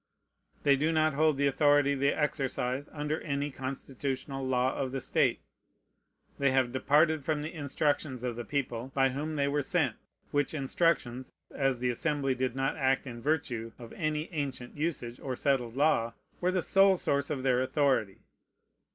They do not hold the authority they exercise under any constitutional law of the state. They have departed from the instructions of the people by whom they were sent; which instructions, as the Assembly did not act in virtue of any ancient usage or settled law, were the sole source of their authority.